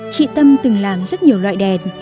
chị tâm từng làm rất nhiều loại đèn